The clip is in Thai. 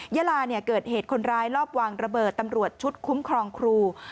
ยาลาเกิดเหตุคนร้ายรอบวางระเบิดตำรวจชุดคุ้มครองครู